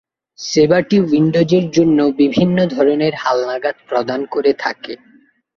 সেবাটি উইন্ডোজের জন্য বিভিন্ন ধরনের হালনাগাদ প্রদান করে থাকে।